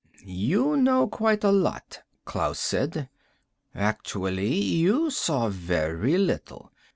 "You know quite a lot," Klaus said. "Actually, you saw very little.